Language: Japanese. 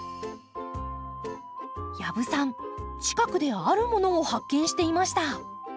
養父さん近くであるものを発見していました。